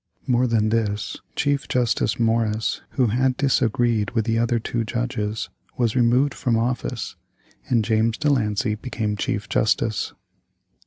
More than this, Chief Justice Morris, who had disagreed with the other two judges, was removed from office, and James De Lancey became Chief Justice.